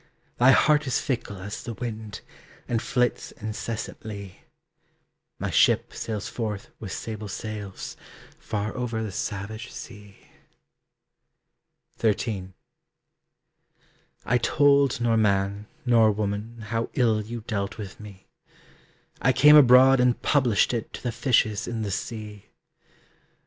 Thy heart is fickle as the wind, And flits incessantly. My ship sails forth with sable sails, Far over the savage sea. XIII. I told nor man, nor woman How ill you dealt with me; I came abroad and published it To the fishes in the sea.